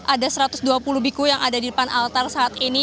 ada satu ratus dua puluh biku yang ada di depan altar saat ini